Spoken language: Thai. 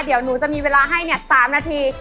เดี๋ยวหนูจะมีเวลาให้๓นาที